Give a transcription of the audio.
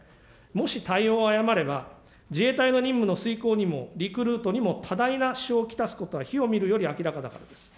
もし対応を誤れば、自衛隊の任務の遂行にもリクルートにも多大な支障をきたすことは火を見るより明らかだからです。